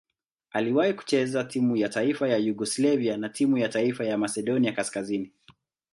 Aliwahi kucheza timu ya taifa ya Yugoslavia na timu ya taifa ya Masedonia Kaskazini.